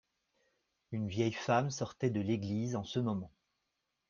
Une vieille femme sortait de l’église en ce moment.